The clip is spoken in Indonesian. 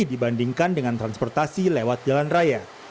dibandingkan dengan transportasi lewat jalan raya